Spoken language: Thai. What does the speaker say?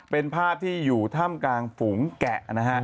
เป็นภาพที่อยู่ถ้ำกลางฝูงแกะนะฮะ